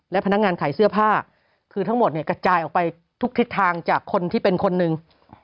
และพนักงานขายเสื้อผ้าคือทั้งหมดเนี่ยกระจายออกไปทุกทิศทางจากคนที่เป็นคนหนึ่ง